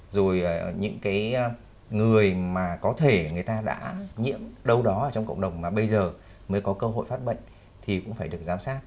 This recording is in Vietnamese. rồi những cái người mà có thể người ta đã nhiễm đâu đó ở trong cộng đồng mà bây giờ mới có cơ hội phát bệnh thì cũng phải được giám sát